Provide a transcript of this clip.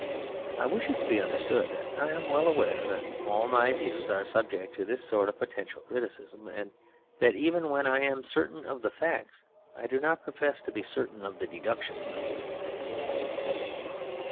I wish it to be understood that I am well aware that all my views are subject to this sort of potential criticism, and that even when I am certain of the facts I do not profess to be certain of the deductions.